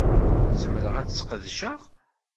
Zemreɣ ad t-sqedceɣ?